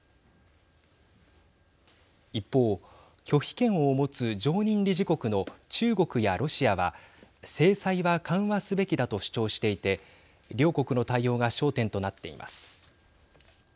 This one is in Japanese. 一方、拒否権を持つ常任理事国の中国やロシアは制裁は緩和すべきだと主張していて両国の対応が焦点となっています。